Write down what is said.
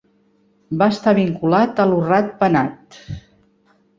Va estar vinculat a Lo Rat Penat.